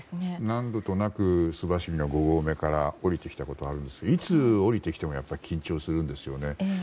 何度となく須走の５合目から下りてきたことはありますがいつ、下りてきてもやっぱり緊張するんですよね。